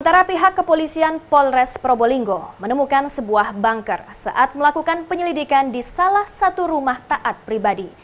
sementara pihak kepolisian polres probolinggo menemukan sebuah banker saat melakukan penyelidikan di salah satu rumah taat pribadi